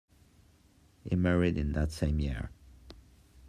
He married in that same year.